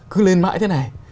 cứ lên mãi thế này